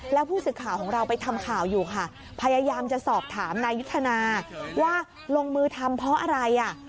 แล้วผู้สื่อข่าวของเราไปทำข่าวอยู่ค่ะพยายามจะสอบถามนายยุทธนาว่าลงมือทำเพราะอะไรอ่ะ